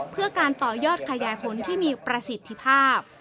เพื่อการต่อยอดขยายผลที่มีประสิทธิภาพ